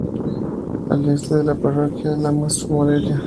Al este, con la parroquia de Lamas de Moreira.